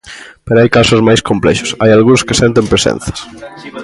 Pero hai casos máis complexos, hai algúns que senten presenzas.